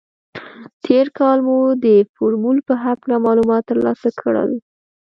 تېر کال مو د فورمول په هکله معلومات تر لاسه کړل.